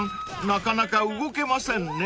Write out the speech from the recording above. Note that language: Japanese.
なかなか動けませんね］